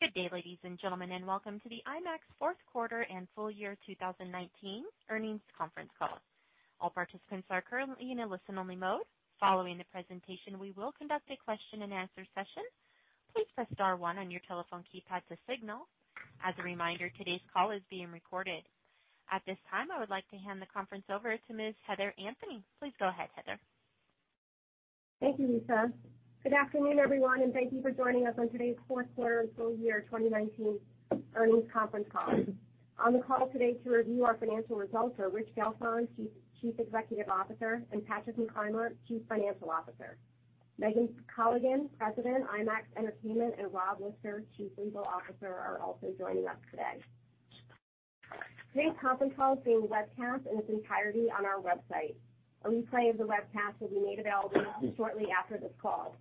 Good day, ladies and gentlemen, and welcome to the IMAX Fourth Quarter and Full Year 2019 Earnings Conference Call. All participants are currently in a listen-only mode. Following the presentation, we will conduct a question-and-answer session. Please press star one on your telephone keypad to signal. As a reminder, today's call is being recorded. At this time, I would like to hand the conference over to Ms. Heather Anthony. Please go ahead, Heather. Thank you, Lisa. Good afternoon, everyone, and thank you for joining us on today's Fourth Quarter and Full Year 2019 Earnings Conference Call. On the call today to review our financial results are Rich Gelfond, Chief Executive Officer, and Patrick McClymont, Chief Financial Officer. Megan Colligan, President of IMAX Entertainment, and Rob Lister, Chief Legal Officer, are also joining us today. Today's conference call is being webcast in its entirety on our website. A replay of the webcast will be made available shortly after this call.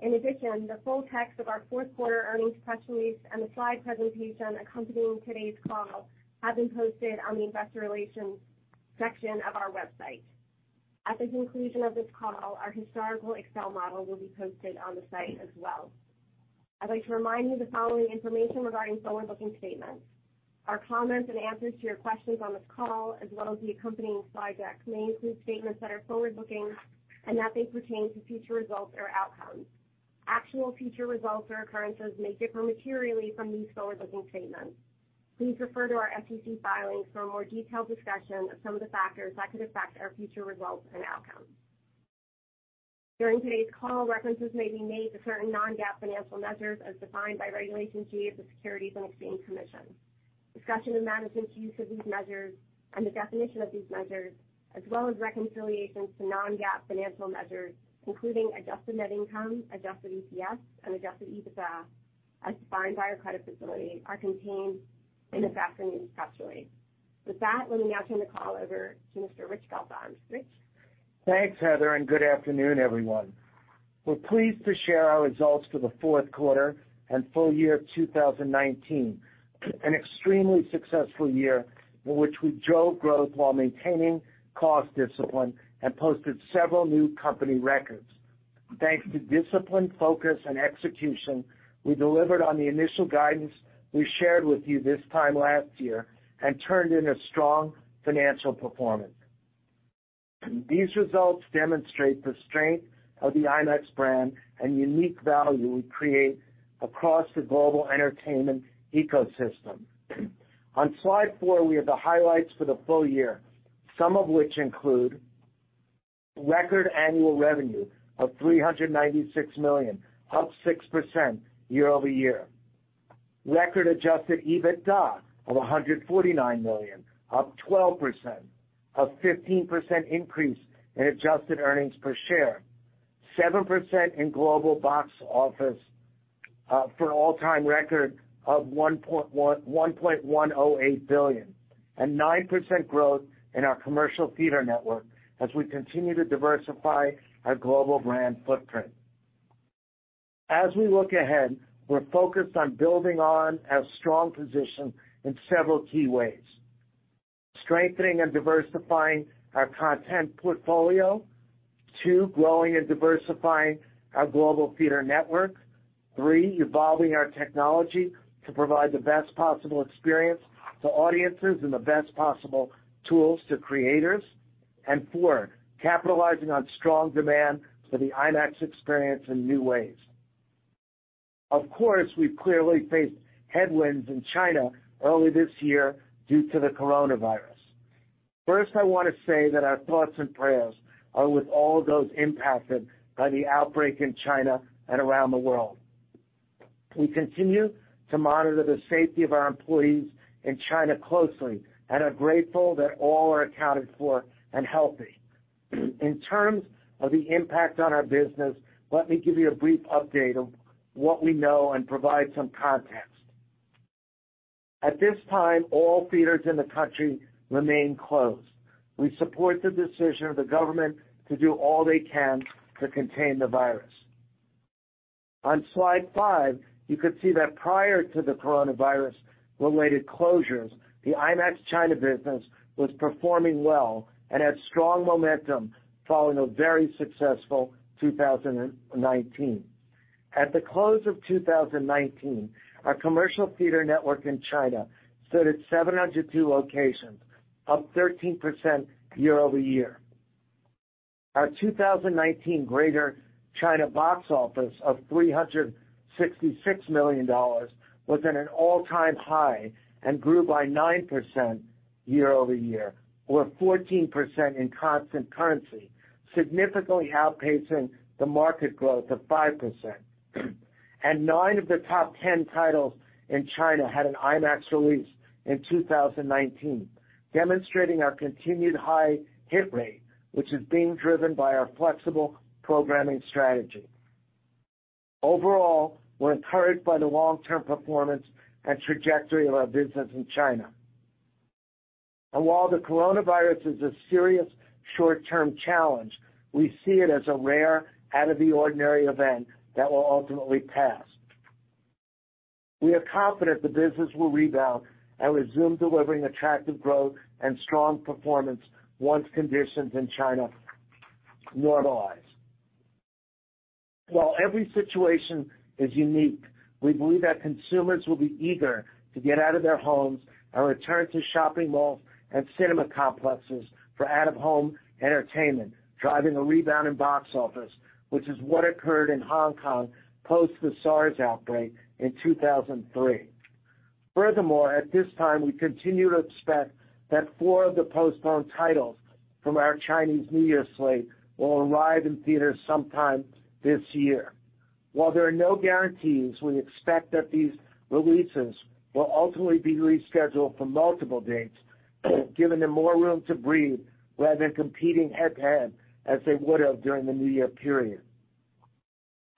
In addition, the full text of our Fourth Quarter Earnings Press Release and the slide presentation accompanying today's call have been posted on the Investor Relations section of our website. At the conclusion of this call, our historical Excel model will be posted on the site as well. I'd like to remind you of the following information regarding forward-looking statements. Our comments and answers to your questions on this call, as well as the accompanying slide deck, may include statements that are forward-looking and that they pertain to future results or outcomes. Actual future results or occurrences may differ materially from these forward-looking statements. Please refer to our SEC filings for a more detailed discussion of some of the factors that could affect our future results and outcomes. During today's call, references may be made to certain non-GAAP financial measures as defined by Regulation G of the Securities and Exchange Commission. Discussion of management's use of these measures and the definition of these measures, as well as reconciliations to non-GAAP financial measures, including Adjusted Net Income, Adjusted EPS, and Adjusted EBITDA, as defined by our credit facility, are contained in this afternoon's press release. With that, let me now turn the call over to Mr. Rich Gelfond. Rich. Thanks, Heather, and good afternoon, everyone. We're pleased to share our results for the Fourth Quarter and Full Year 2019, an extremely successful year in which we drove growth while maintaining cost discipline and posted several new company records. Thanks to discipline, focus, and execution, we delivered on the initial guidance we shared with you this time last year and turned in a strong financial performance. These results demonstrate the strength of the IMAX brand and unique value we create across the global entertainment ecosystem. On slide four, we have the highlights for the full year, some of which include record annual revenue of $396 million, up 6% year over year. Record Adjusted EBITDA of $149 million, up 12%, a 15% increase in adjusted earnings per share, 7% in global box office for an all-time record of $1.108 billion, and 9% growth in our commercial theater network as we continue to diversify our global brand footprint. As we look ahead, we're focused on building on our strong position in several key ways: strengthening and diversifying our content portfolio. Two, growing and diversifying our global theater network. Three, evolving our technology to provide the best possible experience to audiences and the best possible tools to creators. And four, capitalizing on strong demand for the IMAX experience in new ways. Of course, we've clearly faced headwinds in China early this year due to the coronavirus. First, I want to say that our thoughts and prayers are with all those impacted by the outbreak in China and around the world. We continue to monitor the safety of our employees in China closely and are grateful that all are accounted for and healthy. In terms of the impact on our business, let me give you a brief update of what we know and provide some context. At this time, all theaters in the country remain closed. We support the decision of the government to do all they can to contain the virus. On slide five, you could see that prior to the coronavirus-related closures, the IMAX China business was performing well and had strong momentum following a very successful 2019. At the close of 2019, our commercial theater network in China stood at 702 locations, up 13% year over year. Our 2019 Greater China box office of $366 million was at an all-time high and grew by 9% year over year, or 14% in constant currency, significantly outpacing the market growth of 5%. And nine of the top 10 titles in China had an IMAX release in 2019, demonstrating our continued high hit rate, which is being driven by our flexible programming strategy. Overall, we're encouraged by the long-term performance and trajectory of our business in China. And while the coronavirus is a serious short-term challenge, we see it as a rare, out-of-the-ordinary event that will ultimately pass. We are confident the business will rebound and resume delivering attractive growth and strong performance once conditions in China normalize. While every situation is unique, we believe that consumers will be eager to get out of their homes and return to shopping malls and cinema complexes for out-of-home entertainment, driving a rebound in box office, which is what occurred in Hong Kong post the SARS outbreak in 2003. Furthermore, at this time, we continue to expect that four of the postponed titles from our Chinese New Year slate will arrive in theaters sometime this year. While there are no guarantees, we expect that these releases will ultimately be rescheduled for multiple dates, giving them more room to breathe rather than competing head-to-head as they would have during the New Year period.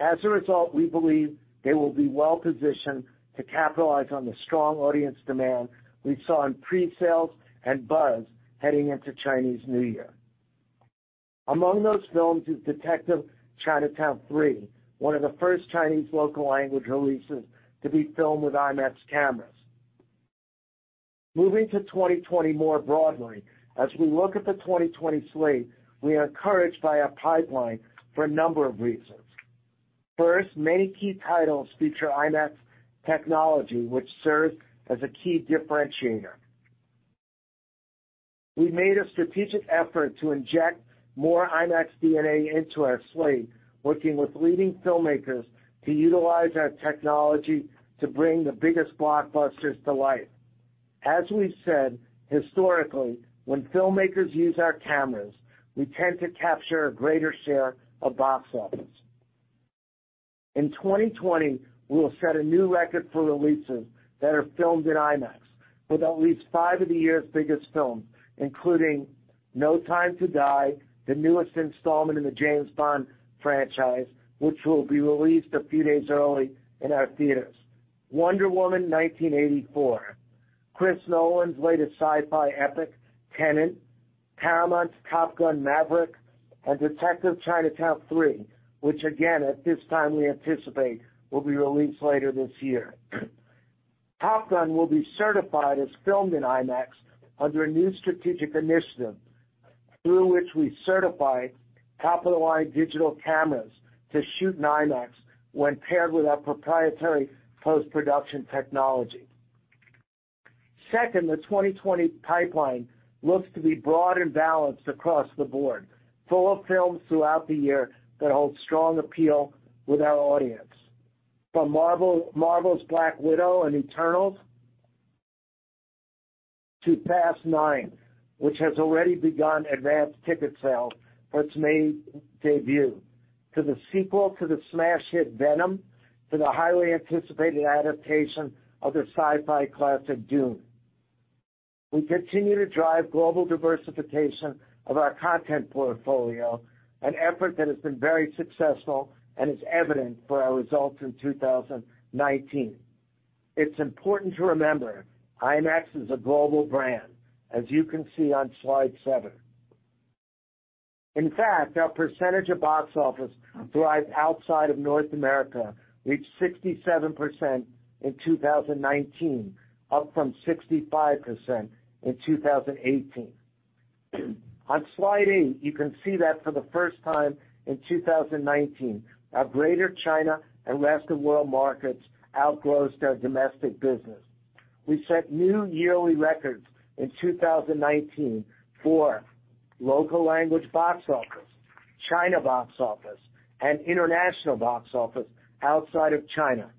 As a result, we believe they will be well-positioned to capitalize on the strong audience demand we saw in pre-sales and buzz heading into Chinese New Year. Among those films is Detective Chinatown 3, one of the first Chinese local language releases to be filmed with IMAX cameras. Moving to 2020 more broadly, as we look at the 2020 slate, we are encouraged by our pipeline for a number of reasons. First, many key titles feature IMAX technology, which serves as a key differentiator. We made a strategic effort to inject more IMAX DNA into our slate, working with leading filmmakers to utilize our technology to bring the biggest blockbusters to life. As we've said, historically, when filmmakers use our cameras, we tend to capture a greater share of box office. In 2020, we will set a new record for releases that are filmed in IMAX, with at least five of the year's biggest films, including No Time to Die, the newest installment in the James Bond franchise, which will be released a few days early in our theaters, Wonder Woman 1984, Chris Nolan's latest sci-fi epic, Tenet, Paramount's Top Gun: Maverick, and Detective Chinatown 3, which again, at this time, we anticipate will be released later this year. Top Gun will be certified as filmed in IMAX under a new strategic initiative through which we certify top-of-the-line digital cameras to shoot in IMAX when paired with our proprietary post-production technology. Second, the 2020 pipeline looks to be broad and balanced across the board, full of films throughout the year that hold strong appeal with our audience. From Marvel's Black Widow and Eternals to Fast Nine, which has already begun advance ticket sales for its May debut, to the sequel to the smash hit Venom, to the highly anticipated adaptation of the sci-fi classic Dune. We continue to drive global diversification of our content portfolio, an effort that has been very successful and is evident in our results in 2019. It's important to remember IMAX is a global brand, as you can see on slide seven. In fact, our percentage of box office derived outside of North America reached 67% in 2019, up from 65% in 2018. On slide eight, you can see that for the first time in 2019, our Greater China and Rest of World markets outgrew their domestic business. We set new yearly records in 2019 for local language box office, China box office, and international box office outside of China.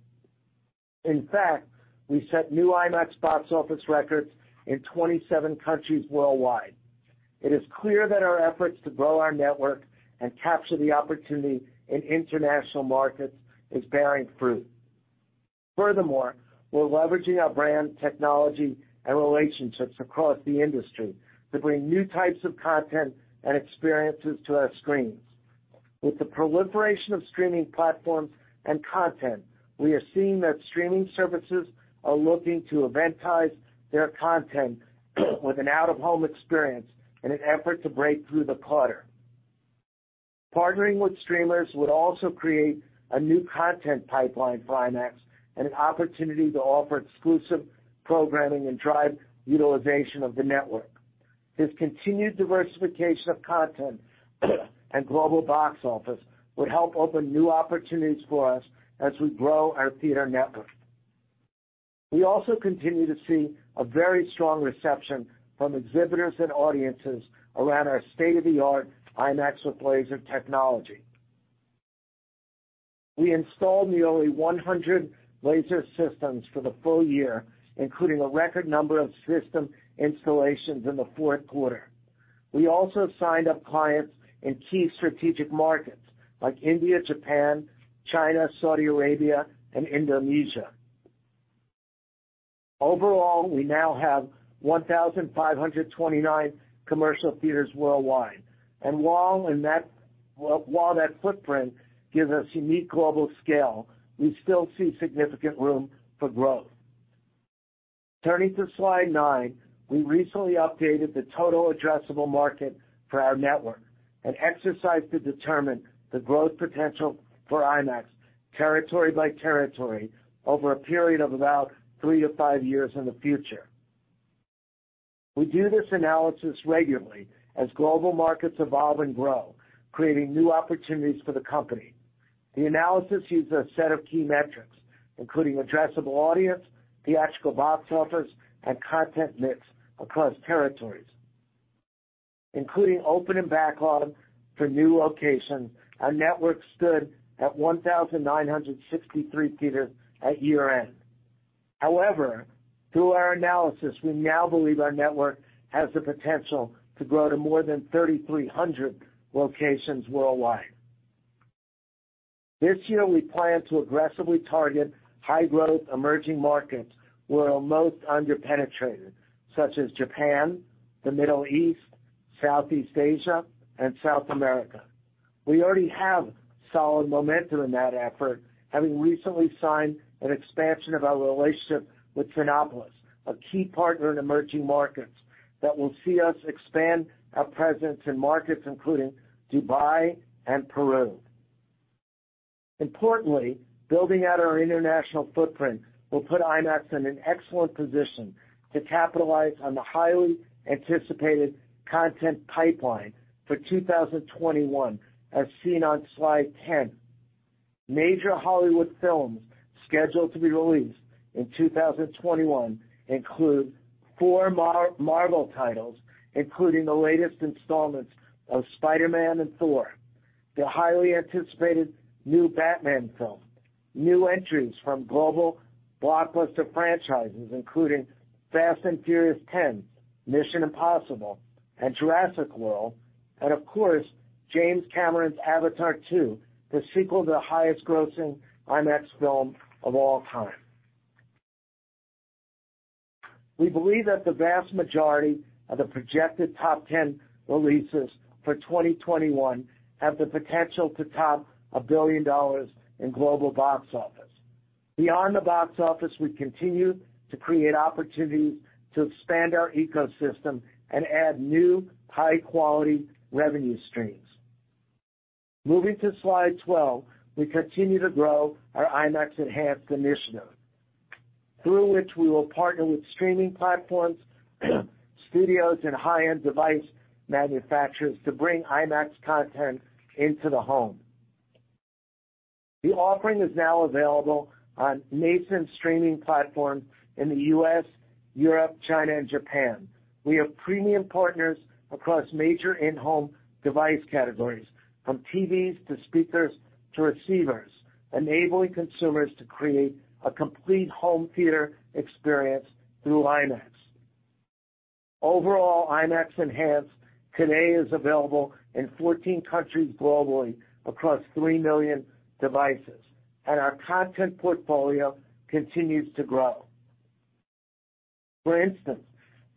In fact, we set new IMAX box office records in 27 countries worldwide. It is clear that our efforts to grow our network and capture the opportunity in international markets are bearing fruit. Furthermore, we're leveraging our brand, technology, and relationships across the industry to bring new types of content and experiences to our screens. With the proliferation of streaming platforms and content, we are seeing that streaming services are looking to eventize their content with an out-of-home experience in an effort to break through the clutter. Partnering with streamers would also create a new content pipeline for IMAX and an opportunity to offer exclusive programming and drive utilization of the network. This continued diversification of content and global box office would help open new opportunities for us as we grow our theater network. We also continue to see a very strong reception from exhibitors and audiences around our state-of-the-art IMAX with Laser technology. We installed nearly 100 laser systems for the full year, including a record number of system installations in the fourth quarter. We also signed up clients in key strategic markets like India, Japan, China, Saudi Arabia, and Indonesia. Overall, we now have 1,529 commercial theaters worldwide, and while that footprint gives us unique global scale, we still see significant room for growth. Turning to slide nine, we recently updated the total addressable market for our network and exercised to determine the growth potential for IMAX territory by territory over a period of about three to five years in the future. We do this analysis regularly as global markets evolve and grow, creating new opportunities for the company. The analysis uses a set of key metrics, including addressable audience, theatrical box office, and content mix across territories. Including opening backlog for new locations, our network stood at 1,963 theaters at year-end. However, through our analysis, we now believe our network has the potential to grow to more than 3,300 locations worldwide. This year, we plan to aggressively target high-growth emerging markets where we're most underpenetrated, such as Japan, the Middle East, Southeast Asia, and South America. We already have solid momentum in that effort, having recently signed an expansion of our relationship with Cinépolis, a key partner in emerging markets that will see us expand our presence in markets including Dubai and Peru. Importantly, building out our international footprint will put IMAX in an excellent position to capitalize on the highly anticipated content pipeline for 2021, as seen on slide 10. Major Hollywood films scheduled to be released in 2021 include four Marvel titles, including the latest installments of Spider-Man and Thor, the highly anticipated new Batman film, new entries from global blockbuster franchises, including Fast and Furious 10, Mission: Impossible, and Jurassic World, and of course, James Cameron's Avatar 2, the sequel to the highest-grossing IMAX film of all time. We believe that the vast majority of the projected top 10 releases for 2021 have the potential to top a billion dollars in global box office. Beyond the box office, we continue to create opportunities to expand our ecosystem and add new high-quality revenue streams. Moving to slide 12, we continue to grow our IMAX Enhanced Initiative, through which we will partner with streaming platforms, studios, and high-end device manufacturers to bring IMAX content into the home. The offering is now available on nascent streaming platforms in the U.S., Europe, China, and Japan. We have premium partners across major in-home device categories, from TVs to speakers to receivers, enabling consumers to create a complete home theater experience through IMAX. Overall, IMAX Enhanced today is available in 14 countries globally across 3 million devices, and our content portfolio continues to grow. For instance,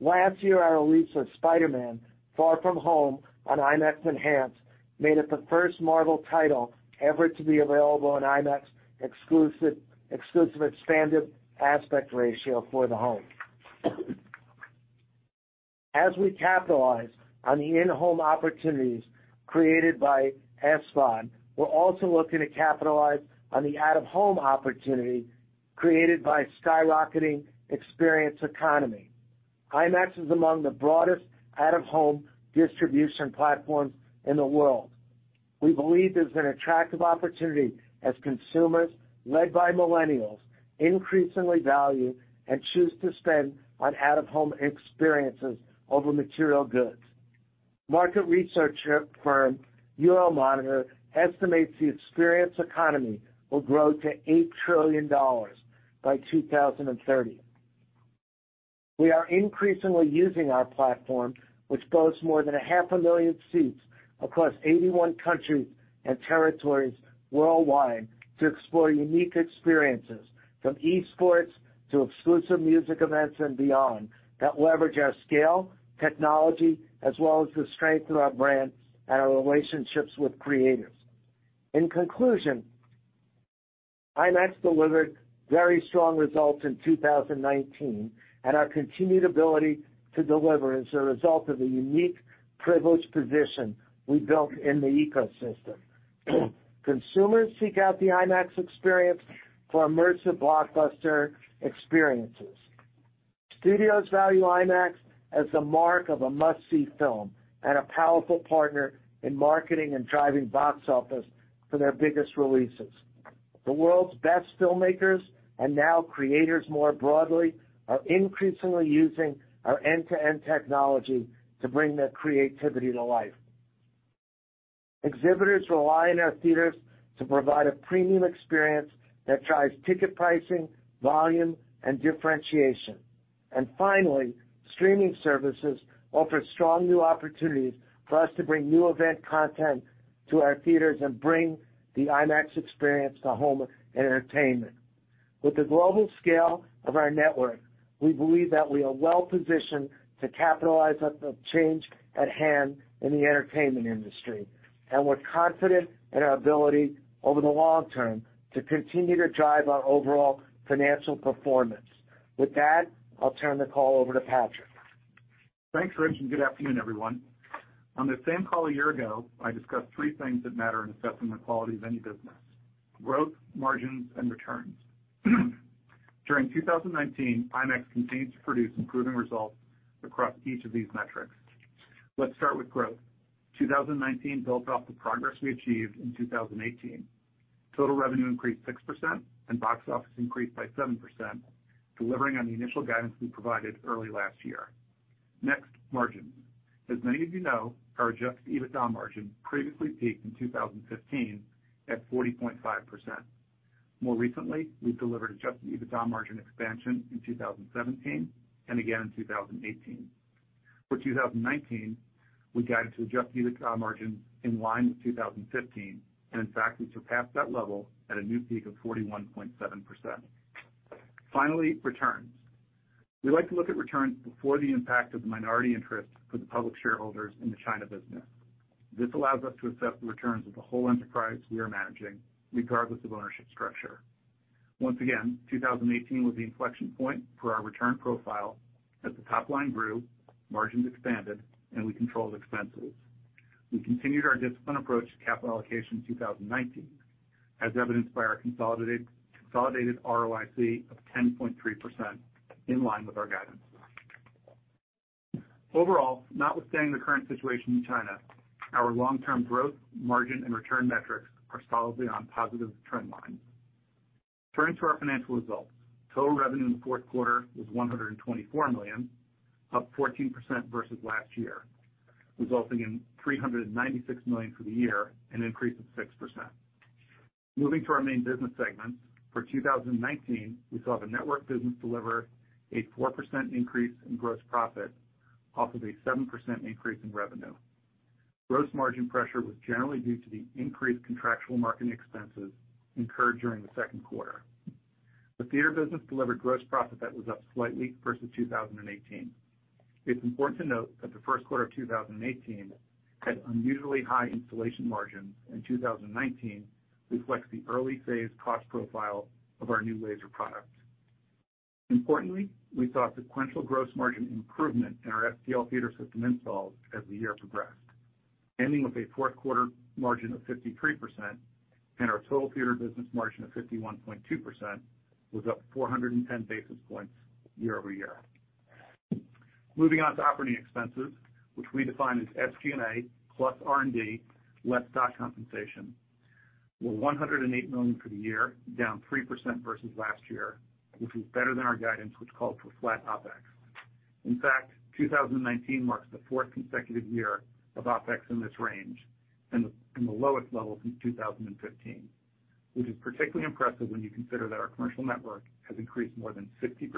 last year, our release of Spider-Man: Far From Home on IMAX Enhanced made it the first Marvel title ever to be available on IMAX exclusive expanded aspect ratio for the home. As we capitalize on the in-home opportunities created by COVID, we're also looking to capitalize on the out-of-home opportunity created by skyrocketing experience economy. IMAX is among the broadest out-of-home distribution platforms in the world. We believe there's an attractive opportunity as consumers led by millennials increasingly value and choose to spend on out-of-home experiences over material goods. Market research firm Euromonitor estimates the experience economy will grow to $8 trillion by 2030. We are increasingly using our platform, which boasts more than 500,000 seats across 81 countries and territories worldwide, to explore unique experiences from esports to exclusive music events and beyond that leverage our scale, technology, as well as the strength of our brand and our relationships with creators. In conclusion, IMAX delivered very strong results in 2019, and our continued ability to deliver is a result of the unique privileged position we built in the ecosystem. Consumers seek out the IMAX experience for immersive blockbuster experiences. Studios value IMAX as the mark of a must-see film and a powerful partner in marketing and driving box office for their biggest releases. The world's best filmmakers and now creators more broadly are increasingly using our end-to-end technology to bring their creativity to life. Exhibitors rely on our theaters to provide a premium experience that drives ticket pricing, volume, and differentiation. And finally, streaming services offer strong new opportunities for us to bring new event content to our theaters and bring the IMAX experience to home entertainment. With the global scale of our network, we believe that we are well-positioned to capitalize on the change at hand in the entertainment industry, and we're confident in our ability over the long term to continue to drive our overall financial performance. With that, I'll turn the call over to Patrick. Thanks, Rich, and good afternoon, everyone. On the same call a year ago, I discussed three things that matter in assessing the quality of any business: growth, margins, and returns. During 2019, IMAX continues to produce improving results across each of these metrics. Let's start with growth. 2019 built off the progress we achieved in 2018. Total revenue increased 6%, and box office increased by 7%, delivering on the initial guidance we provided early last year. Next, margins. As many of you know, our adjusted EBITDA margin previously peaked in 2015 at 40.5%. More recently, we've delivered adjusted EBITDA margin expansion in 2017 and again in 2018. For 2019, we guided to adjusted EBITDA margins in line with 2015, and in fact, we surpassed that level at a new peak of 41.7%. Finally, returns. We like to look at returns before the impact of the minority interest for the public shareholders in the China business. This allows us to assess the returns of the whole enterprise we are managing, regardless of ownership structure. Once again, 2018 was the inflection point for our return profile. As the top line grew, margins expanded, and we controlled expenses. We continued our disciplined approach to capital allocation in 2019, as evidenced by our consolidated ROIC of 10.3%, in line with our guidance. Overall, notwithstanding the current situation in China, our long-term growth, margin, and return metrics are solidly on positive trend lines. Turning to our financial results, total revenue in the fourth quarter was $124 million, up 14% versus last year, resulting in $396 million for the year and an increase of 6%. Moving to our main business segments, for 2019, we saw the network business deliver a 4% increase in gross profit off of a 7% increase in revenue. Gross margin pressure was generally due to the increased contractual marketing expenses incurred during the second quarter. The theater business delivered gross profit that was up slightly versus 2018. It's important to note that the first quarter of 2018 had unusually high installation margins, and 2019 reflects the early phase cost profile of our new laser product. Importantly, we saw a sequential gross margin improvement in our STL theater system installs as the year progressed, ending with a fourth quarter margin of 53%, and our total theater business margin of 51.2% was up 410 basis points year over year. Moving on to operating expenses, which we define as SG&A plus R&D less stock compensation, were $108 million for the year, down 3% versus last year, which was better than our guidance, which called for flat OpEx. In fact, 2019 marks the fourth consecutive year of OpEx in this range and the lowest level since 2015, which is particularly impressive when you consider that our commercial network has increased more than 60%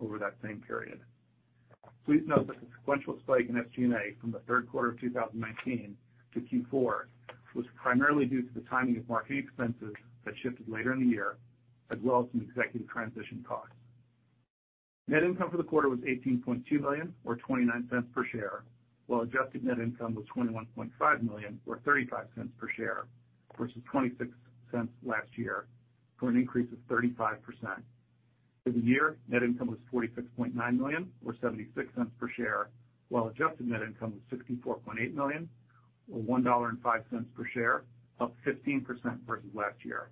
over that same period. Please note that the sequential spike in SG&A from the third quarter of 2019 to Q4 was primarily due to the timing of marketing expenses that shifted later in the year, as well as some executive transition costs. Net income for the quarter was $18.2 million, or $0.29 per share, while adjusted net income was $21.5 million, or $0.35 per share, versus $0.26 last year, for an increase of 35%. For the year, net income was $46.9 million, or $0.76 per share, while adjusted net income was $64.8 million, or $1.05 per share, up 15% versus last year.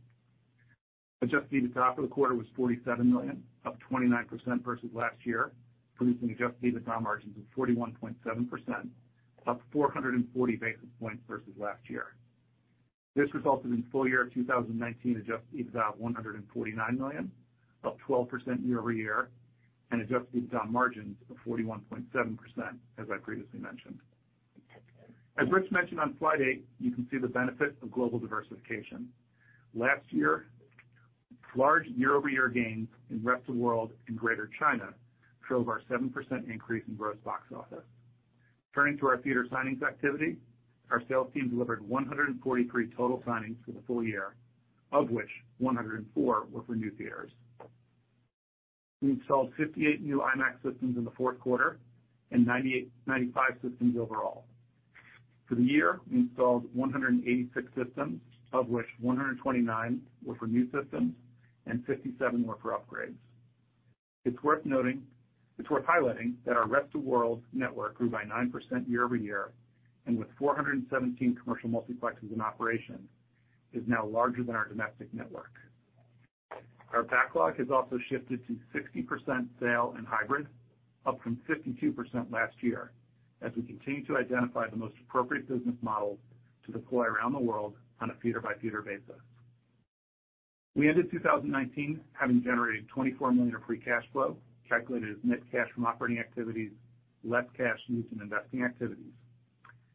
Adjusted EBITDA for the quarter was $47 million, up 29% versus last year, producing adjusted EBITDA margins of 41.7%, up 440 basis points versus last year. This resulted in full year of 2019 adjusted EBITDA of $149 million, up 12% year over year, and adjusted EBITDA margins of 41.7%, as I previously mentioned. As Rich mentioned on slide eight, you can see the benefit of global diversification. Last year, large year-over-year gains in the Rest of the World and Greater China drove our 7% increase in gross box office. Turning to our theater signings activity, our sales team delivered 143 total signings for the full year, of which 104 were for new theaters. We installed 58 new IMAX systems in the fourth quarter and 95 systems overall. For the year, we installed 186 systems, of which 129 were for new systems and 57 were for upgrades. It's worth highlighting that our Rest of the World network grew by 9% year over year, and with 417 commercial multiplexes in operation, is now larger than our domestic network. Our backlog has also shifted to 60% sale and hybrid, up from 52% last year, as we continue to identify the most appropriate business models to deploy around the world on a theater-by-theater basis. We ended 2019 having generated $24 million of free cash flow calculated as net cash from operating activities less cash used in investing activities.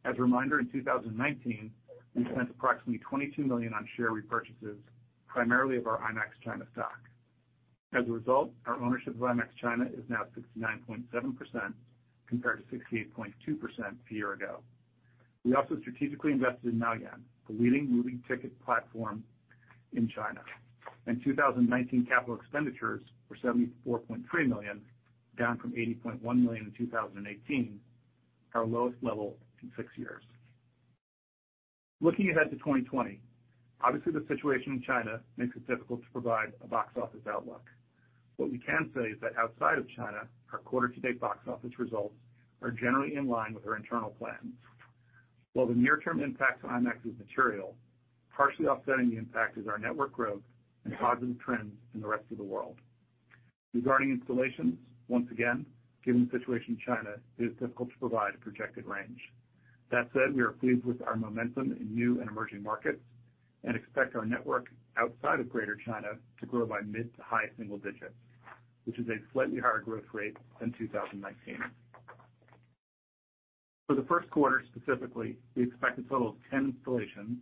As a reminder, in 2019, we spent approximately $22 million on share repurchases, primarily of our IMAX China stock. As a result, our ownership of IMAX China is now 69.7% compared to 68.2% a year ago. We also strategically invested in Maoyan, the leading movie ticketing platform in China. In 2019, capital expenditures were $74.3 million, down from $80.1 million in 2018, our lowest level in six years. Looking ahead to 2020, obviously, the situation in China makes it difficult to provide a box office outlook. What we can say is that outside of China, our quarter-to-date box office results are generally in line with our internal plans. While the near-term impact on IMAX is material, partially offsetting the impact is our network growth and positive trends in the Rest of the World. Regarding installations, once again, given the situation in China, it is difficult to provide a projected range. That said, we are pleased with our momentum in new and emerging markets and expect our network outside of Greater China to grow by mid to high single digits, which is a slightly higher growth rate than 2019. For the first quarter specifically, we expect a total of 10 installations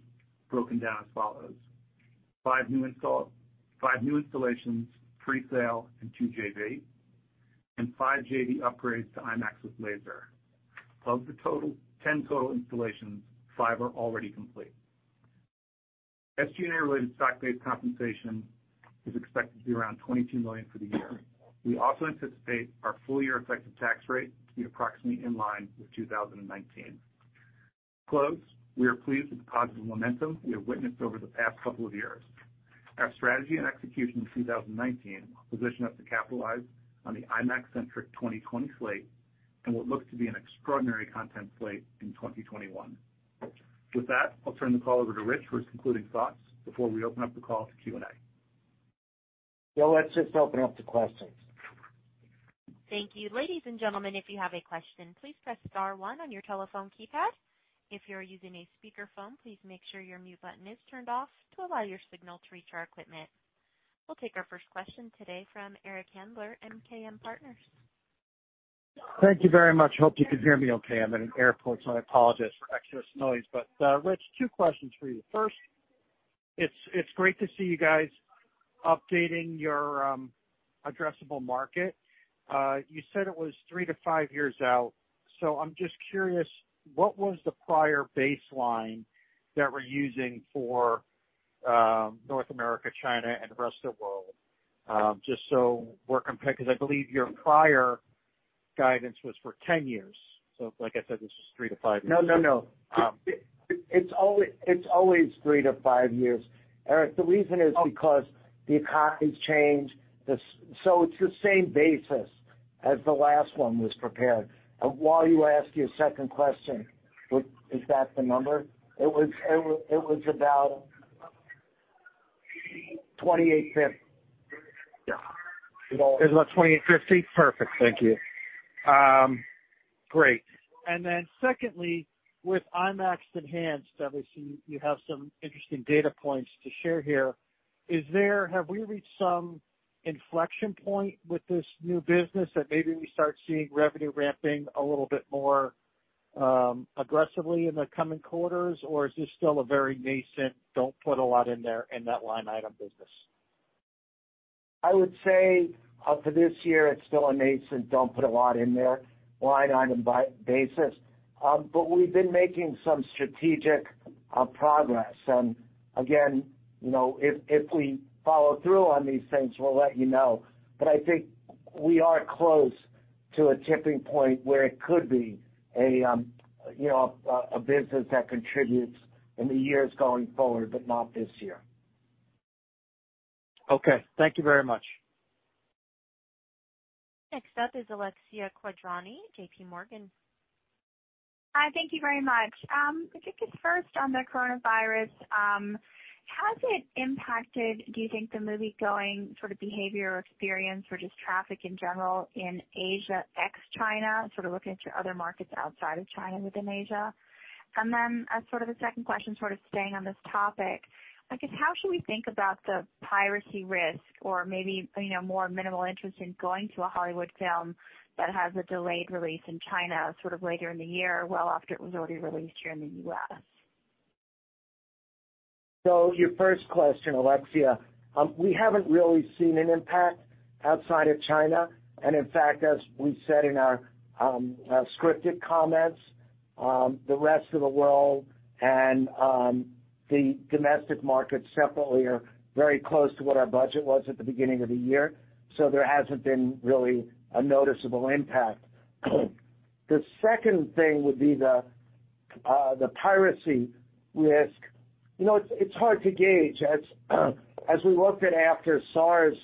broken down as follows: five new installations, three sale, and two JV, and five JV upgrades to IMAX with Laser. Of the 10 total installations, five are already complete. SG&A-related stock-based compensation is expected to be around $22 million for the year. We also anticipate our full-year effective tax rate to be approximately in line with 2019. To close, we are pleased with the positive momentum we have witnessed over the past couple of years. Our strategy and execution in 2019 position us to capitalize on the IMAX-centric 2020 slate and what looks to be an extraordinary content slate in 2021. With that, I'll turn the call over to Rich for his concluding thoughts before we open up the call to Q&A. Yo, let's just open up to questions. Thank you. Ladies and gentlemen, if you have a question, please press star one on your telephone keypad. If you're using a speakerphone, please make sure your mute button is turned off to allow your signal to reach our equipment. We'll take our first question today from Eric Handler, MKM Partners. Thank you very much. Hope you can hear me okay. I'm in an airport, so I apologize for extra noise. But Rich, two questions for you. First, it's great to see you guys updating your addressable market. You said it was three to five years out. So I'm just curious, what was the prior baseline that we're using for North America, China, and the Rest of the World? Just so we're compared, because I believe your prior guidance was for 10 years. So like I said, this was three to five years. No, no, no. It's always three to five years. Eric, the reason is because the economy's changed. So it's the same basis as the last one was prepared. While you ask your second question, is that the number? It was about 2850. Yeah. Is it about 2850? Perfect. Thank you. Great. And then secondly, with IMAX Enhanced, obviously, you have some interesting data points to share here. Have we reached some inflection point with this new business that maybe we start seeing revenue ramping a little bit more aggressively in the coming quarters, or is this still a very nascent, don't put a lot in there in that line item business? I would say for this year, it's still a nascent, don't put a lot in there line item basis. But we've been making some strategic progress. And again, if we follow through on these things, we'll let you know. But I think we are close to a tipping point where it could be a business that contributes in the years going forward, but not this year. Okay. Thank you very much. Next up is Alexia Quadrani, J.P. Morgan. Hi. Thank you very much. I think it's first on the coronavirus. Has it impacted, do you think, the movie-going sort of behavior or experience or just traffic in general in Asia ex-China, sort of looking at your other markets outside of China within Asia? And then as sort of a second question, sort of staying on this topic, I guess, how should we think about the piracy risk or maybe more minimal interest in going to a Hollywood film that has a delayed release in China sort of later in the year, well after it was already released here in the U.S.? Your first question, Alexia, we haven't really seen an impact outside of China. And in fact, as we said in our scripted comments, the Rest of the World and the domestic markets separately are very close to what our budget was at the beginning of the year. So there hasn't been really a noticeable impact. The second thing would be the piracy risk. It's hard to gauge. As we looked at after SARS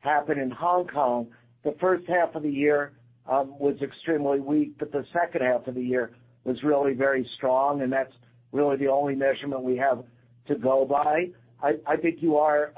happened in Hong Kong, the first half of the year was extremely weak, but the second half of the year was really very strong. And that's really the only measurement we have to go by. I think your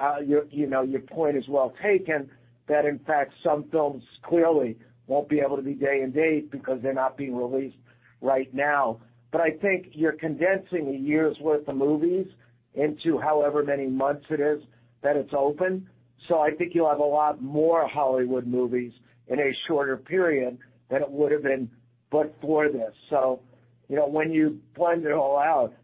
point is well taken that, in fact, some films clearly won't be able to be day and date because they're not being released right now. But I think you're condensing a year's worth of movies into however many months it is that it's open. So I think you'll have a lot more Hollywood movies in a shorter period than it would have been but for this. So when you blend it all out,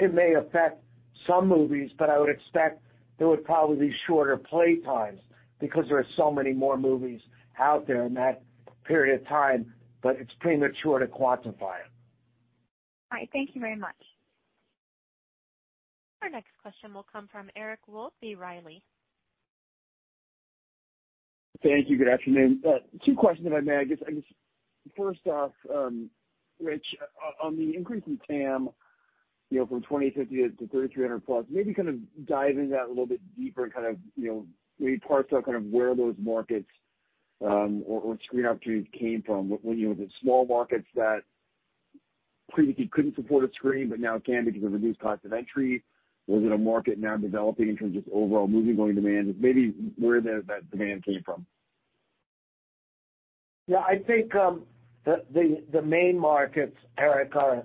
it may affect some movies, but I would expect there would probably be shorter playtimes because there are so many more movies out there in that period of time, but it's premature to quantify it. All right. Thank you very much. Our next question will come from Eric Wold, B. Riley. Thank you. Good afternoon. Two questions if I may. I guess first off, Rich, on the increasing TAM from 2850 to 3300 plus, maybe kind of dive into that a little bit deeper and kind of maybe parse out kind of where those markets or screen opportunities came from. Were there small markets that previously couldn't support a screen, but now can because of reduced cost of entry? Was it a market now developing in terms of overall movie-going demand? Maybe where that demand came from. Yeah. I think the main markets, Eric, are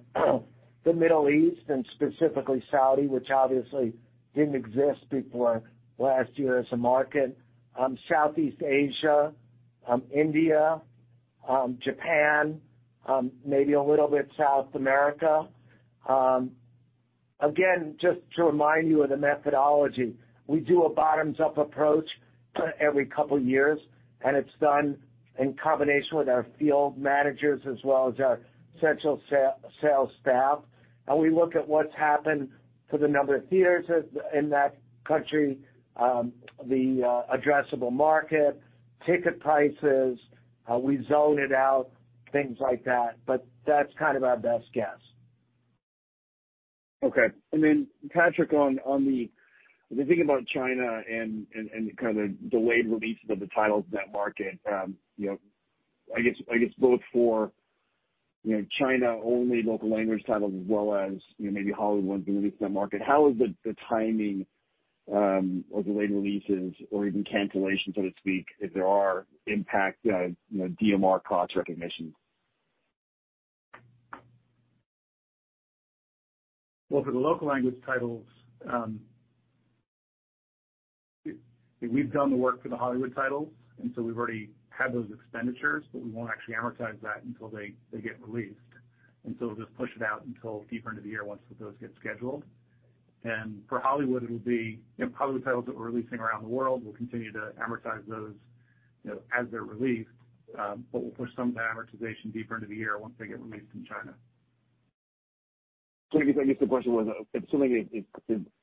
the Middle East and specifically Saudi, which obviously didn't exist before last year as a market. Southeast Asia, India, Japan, maybe a little bit South America. Again, just to remind you of the methodology, we do a bottoms-up approach every couple of years, and it's done in combination with our field managers as well as our central sales staff. And we look at what's happened for the number of theaters in that country, the addressable market, ticket prices, we zone it out, things like that. But that's kind of our best guess. Okay. And then Patrick, on the thinking about China and kind of the delayed releases of the titles in that market, I guess both for China-only local language titles as well as maybe Hollywood ones being released in that market, how is the timing of the late releases or even cancellations, so to speak, if there are, impact DMR cost recognition? Well, for the local language titles, we've done the work for the Hollywood titles, and so we've already had those expenditures, but we won't actually amortize that until they get released. And so we'll just push it out until deeper into the year once those get scheduled. And for Hollywood, it'll be Hollywood titles that we're releasing around the world. We'll continue to amortize those as they're released, but we'll push some of that amortization deeper into the year once they get released in China. So I guess the question was, if something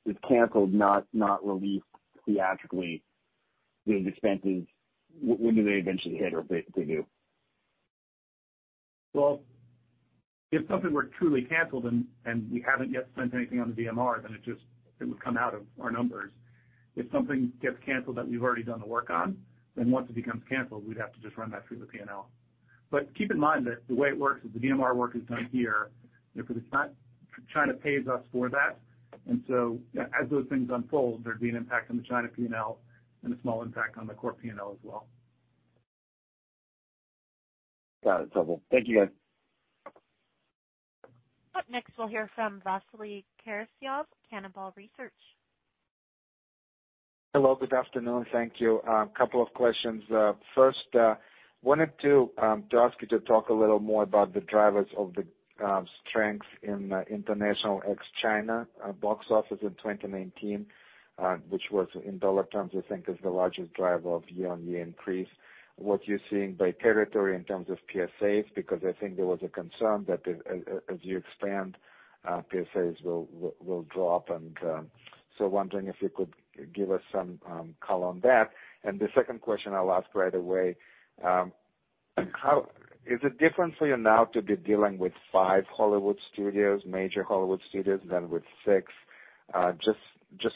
is canceled, not released theatrically, those expenses, when do they eventually hit or if they do? Well, if something were truly canceled and we haven't yet spent anything on the DMR, then it would come out of our numbers. If something gets canceled that we've already done the work on, then once it becomes canceled, we'd have to just run that through the P&L. But keep in mind that the way it works is the DMR work is done here. China pays us for that. And so as those things unfold, there'd be an impact on the China P&L and a small impact on the core P&L as well. Got it. So thank you, guys. Up next, we'll hear from Vasily Karasyov, Cannonball Research. Hello. Good afternoon. Thank you. A couple of questions. First, wanted to ask you to talk a little more about the drivers of the strength in international ex-China box office in 2019, which was, in dollar terms, I think, the largest driver of year-on-year increase. What you're seeing by territory in terms of PSAs, because I think there was a concern that as you expand, PSAs will drop. And so wondering if you could give us some color on that. And the second question I'll ask right away, is it different for you now to be dealing with five Hollywood studios, major Hollywood studios, than with six? Just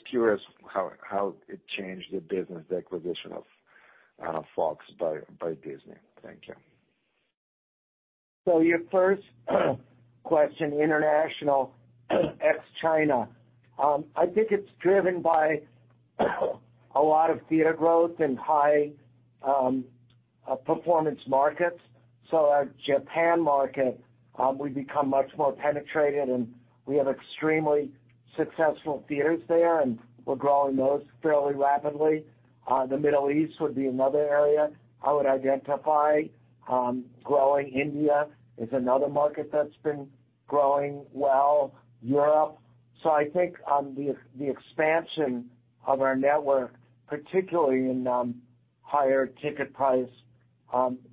curious how the acquisition of Fox by Disney changed the business. Thank you. So your first question, international ex-China, I think it's driven by a lot of theater growth and high performance markets. So our Japan market, we've become much more penetrated, and we have extremely successful theaters there, and we're growing those fairly rapidly. The Middle East would be another area I would identify. Growing India is another market that's been growing well. Europe. So I think the expansion of our network, particularly in higher ticket price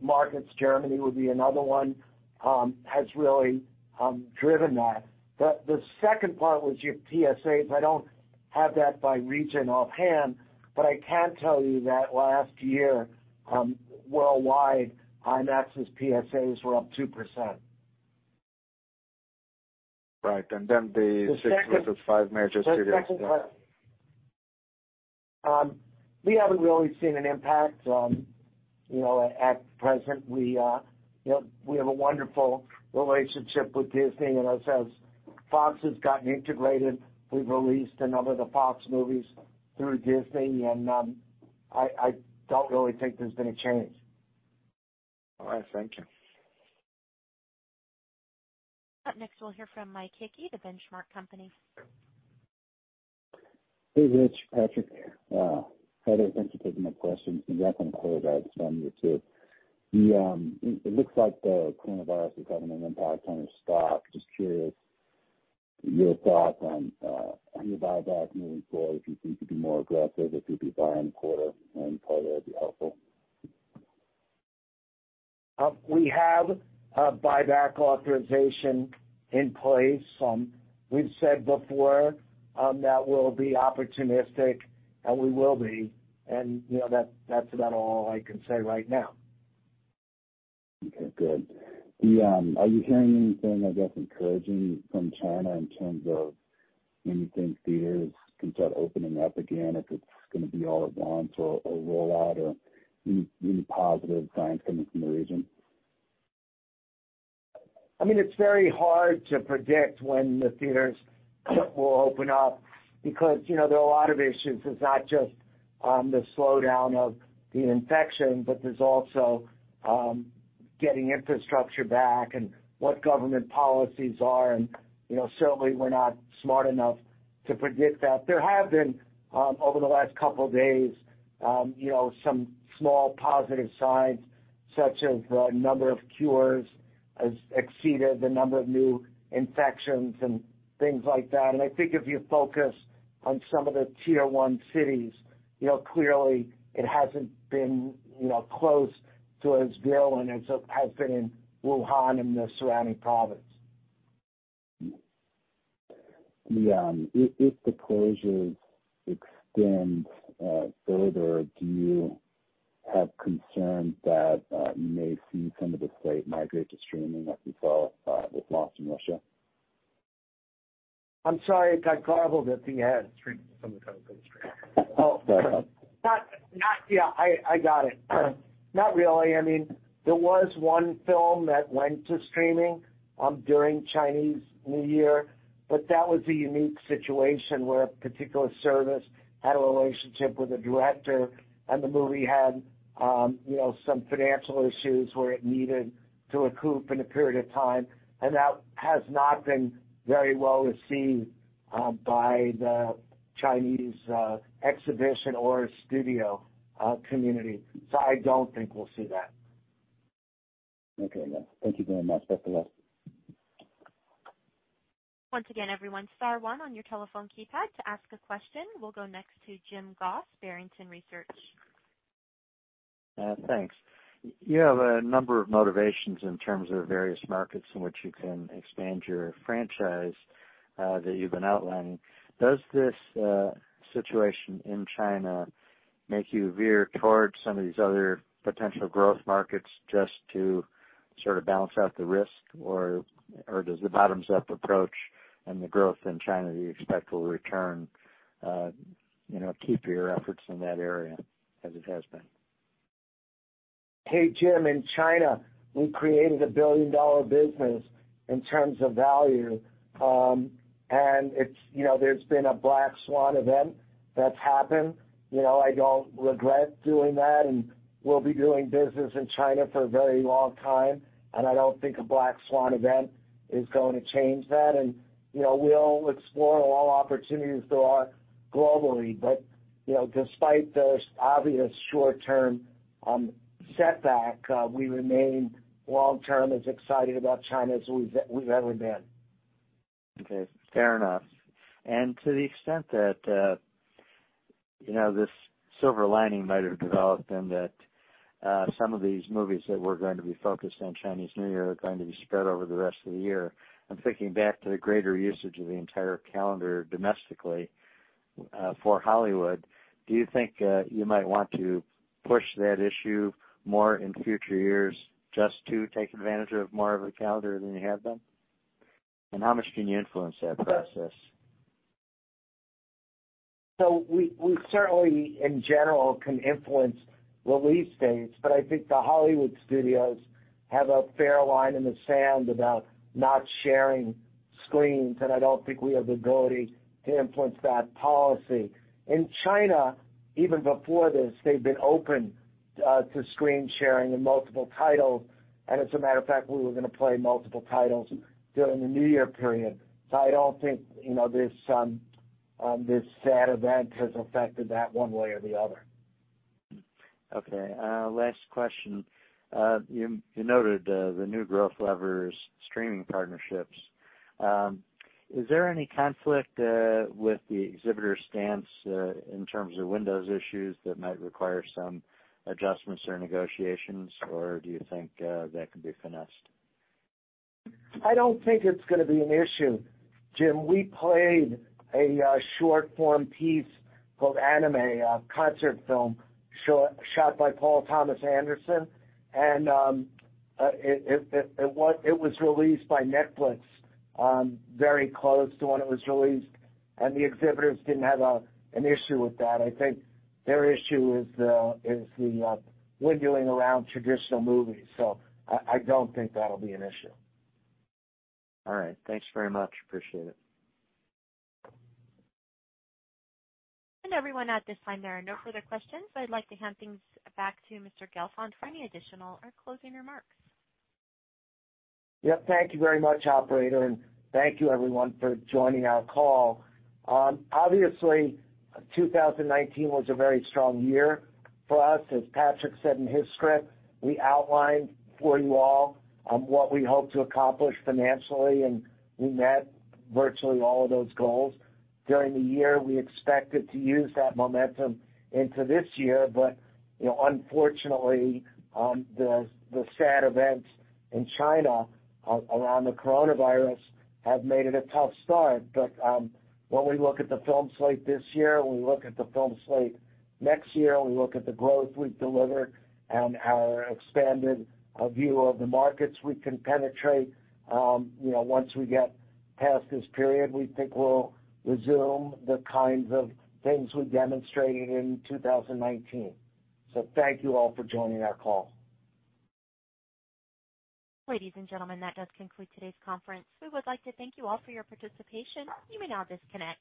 markets, Germany would be another one, has really driven that. The second part was your PSAs. I don't have that by region offhand, but I can tell you that last year, worldwide, IMAX's PSAs were up 2%. Right. And then the six versus five major studios. The second part, we haven't really seen an impact at present. We have a wonderful relationship with Disney, and as Fox has gotten integrated, we've released a number of the Fox movies through Disney, and I don't really think there's been a change. All right. Thank you. Up next, we'll hear from Mike Hickey, The Benchmark Company. Hey, Rich, Patrick, Heather, thanks for taking my questions. I'm definitely encouraged to speak with you too. It looks like the coronavirus is having an impact on your stock. Just curious your thoughts on your buyback moving forward. If you think you'd be more aggressive, if you'd be buying this quarter, then probably that would be helpful. We have a buyback authorization in place. We've said before that we'll be opportunistic, and we will be. And that's about all I can say right now. Okay. Good. Are you hearing anything, I guess, encouraging from China in terms of anything theaters can start opening up again if it's going to be all at once or a rollout or any positive signs coming from the region? I mean, it's very hard to predict when the theaters will open up because there are a lot of issues. It's not just the slowdown of the infection, but there's also getting infrastructure back and what government policies are. And certainly, we're not smart enough to predict that. There have been, over the last couple of days, some small positive signs such as the number of cures has exceeded the number of new infections and things like that. And I think if you focus on some of the tier-one cities, clearly, it hasn't been close to as virulent as it has been in Wuhan and the surrounding province. If the closures extend further, do you have concerns that you may see some of the slate migrate to streaming as we saw with Lost in Russia? I'm sorry. I garbled it. Yeah. Streaming is some of the times it goes to streaming. Oh, sorry. Yeah. I got it. Not really. I mean, there was one film that went to streaming during Chinese New Year, but that was a unique situation where a particular service had a relationship with a director, and the movie had some financial issues where it needed to recoup in a period of time. And that has not been very well received by the Chinese exhibitor or studio community. So I don't think we'll see that. Okay. Thank you very much. Best of luck. Once again, everyone, star one on your telephone keypad to ask a question. We'll go next to Jim Goss, Barrington Research. Thanks. You have a number of motivations in terms of various markets in which you can expand your franchise that you've been outlining. Does this situation in China make you veer towards some of these other potential growth markets just to sort of balance out the risk, or does the bottoms-up approach and the growth in China that you expect will return keep your efforts in that area as it has been? Hey, Jim, in China, we created a billion-dollar business in terms of value, and there's been a black swan event that's happened. I don't regret doing that, and we'll be doing business in China for a very long time. And I don't think a black swan event is going to change that. And we'll explore all opportunities there are globally. But despite the obvious short-term setback, we remain long-term as excited about China as we've ever been. Okay. Fair enough. And to the extent that this silver lining might have developed in that some of these movies that we're going to be focused on Chinese New Year are going to be spread over the rest of the year, I'm thinking back to the greater usage of the entire calendar domestically for Hollywood. Do you think you might want to push that issue more in future years just to take advantage of more of a calendar than you have been? And how much can you influence that process? So we certainly, in general, can influence release dates, but I think the Hollywood studios have a fair line in the sand about not sharing screens, and I don't think we have the ability to influence that policy. In China, even before this, they've been open to screen sharing in multiple titles. As a matter of fact, we were going to play multiple titles during the New Year period. I don't think this sad event has affected that one way or the other. Okay. Last question. You noted the new growth levers, streaming partnerships. Is there any conflict with the exhibitor's stance in terms of windows issues that might require some adjustments or negotiations, or do you think that could be finessed? I don't think it's going to be an issue. Jim, we played a short-form piece called Anima, a concert film shot by Paul Thomas Anderson, and it was released by Netflix very close to when it was released. The exhibitors didn't have an issue with that. I think their issue is the windowing around traditional movies. I don't think that'll be an issue. All right. Thanks very much. Appreciate it. And everyone, at this time, there are no further questions. I'd like to hand things back to Mr. Gelfond for any additional or closing remarks. Yep. Thank you very much, operator. And thank you, everyone, for joining our call. Obviously, 2019 was a very strong year for us. As Patrick said in his script, we outlined for you all what we hope to accomplish financially, and we met virtually all of those goals during the year. We expected to use that momentum into this year, but unfortunately, the sad events in China around the coronavirus have made it a tough start. But when we look at the film slate this year, we look at the film slate next year, we look at the growth we've delivered and our expanded view of the markets we can penetrate once we get past this period, we think we'll resume the kinds of things we demonstrated in 2019. So thank you all for joining our call. Ladies and gentlemen, that does conclude today's conference. We would like to thank you all for your participation. You may now disconnect.